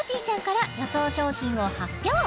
ちゃんから予想商品を発表